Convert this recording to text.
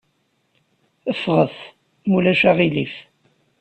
Ffɣet, ma ulac aɣilif.